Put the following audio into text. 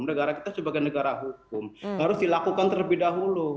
negara kita sebagai negara hukum harus dilakukan terlebih dahulu